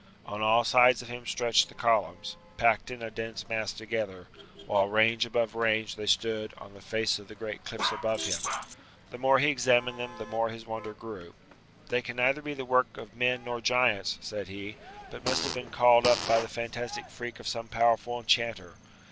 On all sides of him stretched the columns, packed in a dense mass together, while range above range they stood on the face of the great cliffs above him. The more he examined them the more his wonder grew. "They can neither be the work of men nor giants," he said, "but must have been called up by the fantastic freak of some powerful enchanter.